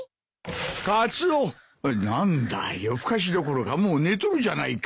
カツオ何だ夜更かしどころかもう寝とるじゃないか。